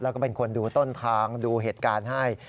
แล้วก็เป็นคนดูต้นทางดูเหตุการณ์ให้